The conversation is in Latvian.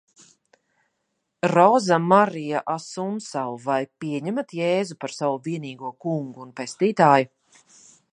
Roza Marija Asunsau, Vai pieņemat Jēzu par savu vienīgo kungu un pestītāju?